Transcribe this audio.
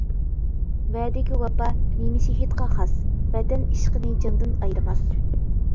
ۋەدىگە ۋاپا نىمشېھىتقا خاس. ۋەتەن ئىشقىنى جاندىن ئايرىماس.